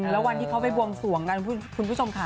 และวันที่เขาไปวงหน้าภูมิคุณผู้ชมค่ะ